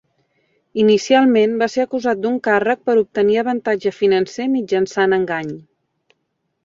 Inicialment va ser acusat d'un càrrec per obtenir avantatge financer mitjançant engany.